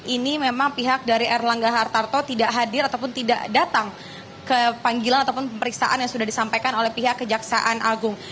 ini memang pihak dari erlangga hartarto tidak hadir ataupun tidak datang ke panggilan ataupun pemeriksaan yang sudah disampaikan oleh pihak kejaksaan agung